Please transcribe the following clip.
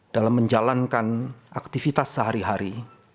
dalam menjalankan aktivitas sehari hari